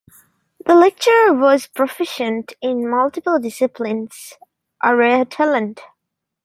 The lecturer was proficient in multiple disciplines, a rare talent.